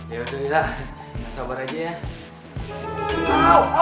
ya udah elah sabar aja ya